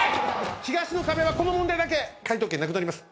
東の壁はこの問題だけ解答権なくなります。